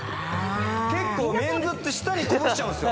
結構メンズって下にこぼしちゃうんすよ。